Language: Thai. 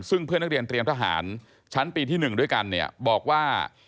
ซึ่งเพื่อนนักเรียนเตรียมทหารชั้นปีที่๑ด้วยกันเนี่ยบอกว่า